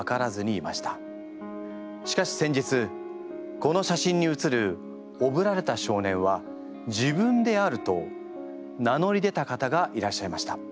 しかし先日この写真にうつる「おぶられた少年は自分である」と名乗り出た方がいらっしゃいました。